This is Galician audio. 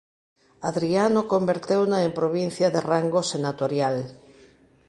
Adriano converteuna en provincia de rango senatorial.